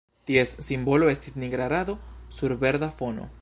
Ties simbolo estis nigra rado sur verda fono.